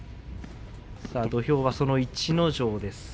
土俵はその逸ノ城です。